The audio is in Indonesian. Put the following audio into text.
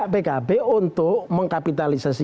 pkb untuk mengkapitalisasi